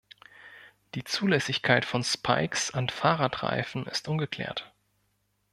Die Zulässigkeit von Spikes an Fahrradreifen ist ungeklärt.